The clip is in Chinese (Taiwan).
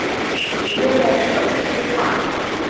裡面的一種黑話